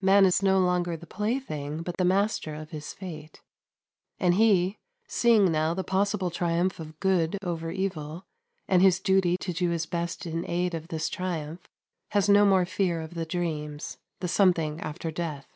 Man is no longer the plaything, but the master of his fate; and he, seeing now the possible triumph of good over evil, and his duty to do his best in aid of this triumph, has no more fear of the dreams the something after death.